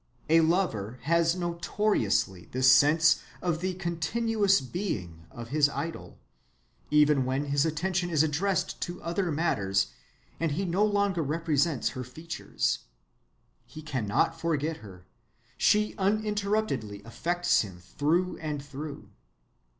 A lover has notoriously this sense of the continuous being of his idol, even when his attention is addressed to other matters and he no longer represents her features. He cannot forget her; she uninterruptedly affects him through and through.